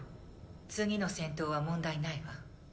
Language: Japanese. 次の戦闘は問題ないわ。